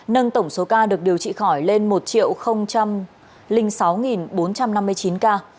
nâng tổng số ca được điều trị khỏi lên một sáu bốn trăm năm mươi chín ca